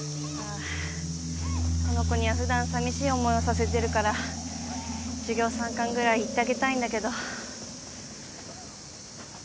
この子には普段さみしい思いをさせてるから授業参観ぐらい行ってあげたいんだけど。